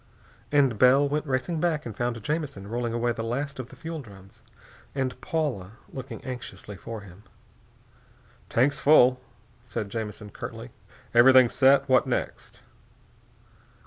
And Bell went racing back and found Jamison rolling away the last of the fuel drums and Paula looking anxiously for him. "Tanks full," said Jamison curtly. "Everything set. What next?"